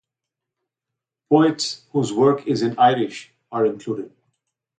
Poets whose work is in Irish are included.